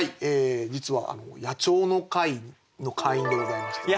実は野鳥の会の会員でございまして。